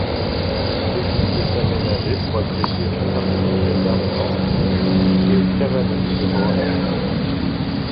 L'église est aménagée pour accueillir une partie du casernement du de cavalerie de Voronej.